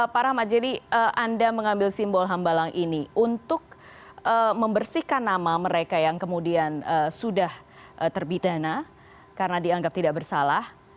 pak rahmat jadi anda mengambil simbol hambalang ini untuk membersihkan nama mereka yang kemudian sudah terbidana karena dianggap tidak bersalah